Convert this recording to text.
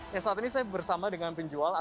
terus dimasukkan ke cakram